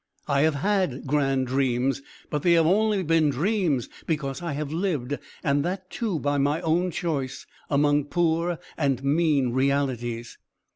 I have had grand dreams, but they have been only dreams, because I have lived and that, too, by my own choice among poor and mean realities.